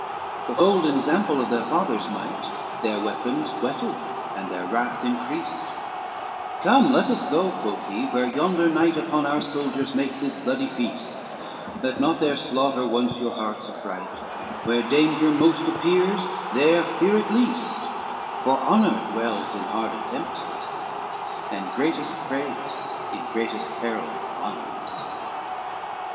XXVIII The bold ensample of their father's might Their weapons whetted and their wrath increased, "Come let us go," quoth he, "where yonder knight Upon our soldiers makes his bloody feast, Let not their slaughter once your hearts affright, Where danger most appears, there fear it least, For honor dwells in hard attempts, my sons, And greatest praise, in greatest peril, wons."